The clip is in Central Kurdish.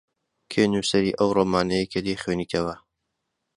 کێ نووسەری ئەو ڕۆمانەیە کە دەیخوێنیتەوە؟